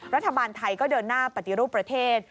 รัฐบาลไทยก็เดินหน้าปฏิรูปประเทศ